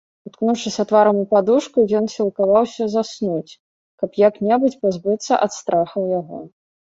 Уткнуўшыся тварам у падушку, ён сілкаваўся заснуць, каб як-небудзь пазбыцца ад страхаў яго.